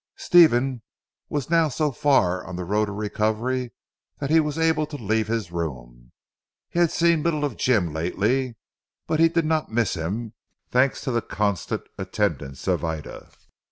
Stephen was now so far on the road to recovery, that he was able to leave his room. He had seen little of Jim lately, but he did not miss him, thanks to the constant attendance of Ida.